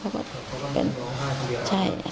เขาก็เป็นใช่